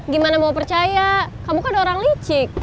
gimana mau percaya kamu kan orang licik